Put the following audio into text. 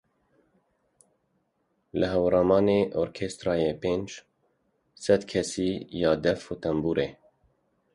Li Hewramanê orkestraya pênc sed kesî ya def û tembûrê.